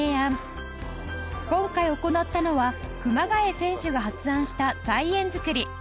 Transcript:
今回行ったのは熊谷選手が発案した菜園造り